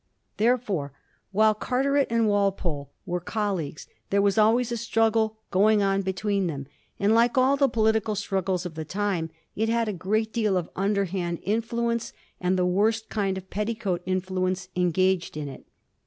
Therefore, while Carteret and Walpole were col leagues, there was always a struggle going on between them, and, like all the political struggles of the time, it had a great deal of underhand influence, and the worst kind of petticoat influence, engaged in it.